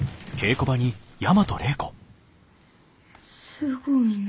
すごいなあ。